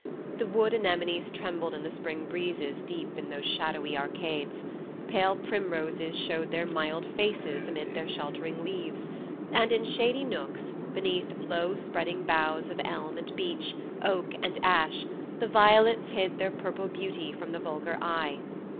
The wood anemones trembled in the spring breezes deep in those shadowy arcades; pale primroses showed their mild faces amid their sheltering leaves; and in shady nooks, beneath low spreading boughs of elm and beech, oak and ash, the violets hid their purple beauty from the vulgar eye.